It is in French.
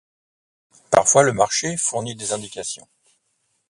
Parfois le marché fournit des indications.